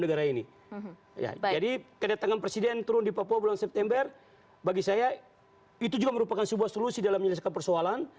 kedatangan presiden turun di papua bulan september bagi saya itu juga merupakan sebuah solusi dalam menyelesaikan persoalan